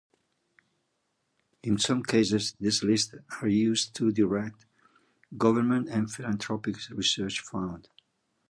In some cases these lists are used to direct government or philanthropic research funds.